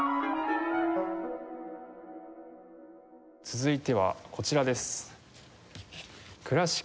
続いてはこちらです。